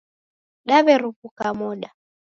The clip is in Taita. Daw'eruw'uka moda